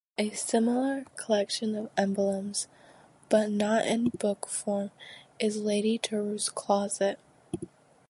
A similar collection of emblems, but not in book form, is Lady Drury's Closet.